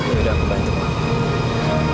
ya udah aku bantu